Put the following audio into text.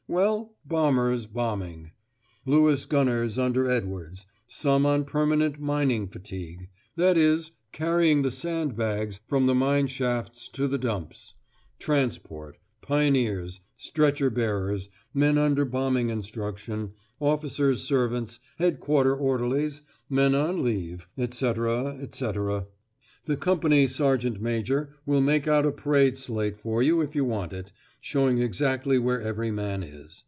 Well, bombers bombing; Lewis gunners under Edwards; some on "permanent mining fatigue," that is, carrying the sand bags from the mine shafts to the dumps; transport, pioneers, stretcher bearers, men under bombing instruction, officers' servants, headquarter orderlies, men on leave, etc. etc. The company sergeant major will make out a parade slate for you if you want it, showing exactly where every man is.